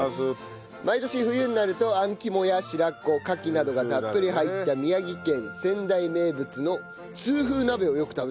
毎年冬になるとあん肝や白子カキなどがたっぷり入った宮城県仙台名物の痛風鍋をよく食べます。